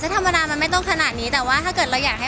ทำไมต้องนมใหญ่คะ